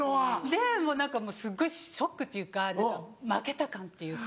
でもう何かすごいショックっていうか負けた感っていうか。